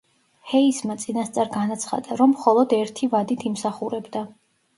ჰეისმა წინასწარ განაცხადა, რომ მხოლოდ ერთი ვადით იმსახურებდა.